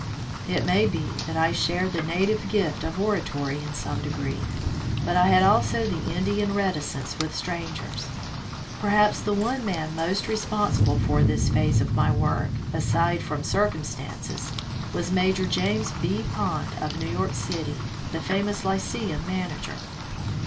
It may be that I shared the native gift of oratory in some degree, but I had also the Indian reticence with strangers. Perhaps the one man most responsible for this phase of my work, aside from cir cumstances, was Major James B. Pond of New York city, the famous lyceum manager.